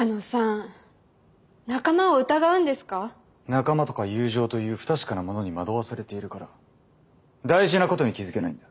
仲間とか友情という不確かなものに惑わされているから大事なことに気付けないんだ。